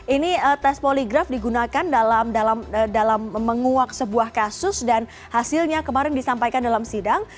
ini tes poligraf digunakan dalam menguak sebuah kasus dan hasilnya kemarin disampaikan dalam sidang